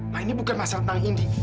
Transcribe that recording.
ma ini bukan masalah tentang indi